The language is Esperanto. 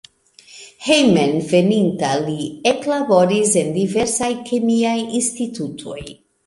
Hejmenveninta li eklaboris en diversaj kemiaj institutoj.